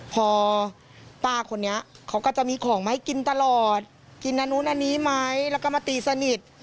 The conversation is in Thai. พอป้าคนนี้เขาก็จะมีของมาให้กินตลอดกินอันนู้นอันนี้ไหมแล้วก็มาตีสนิท